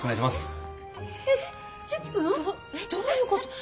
どどういうこと？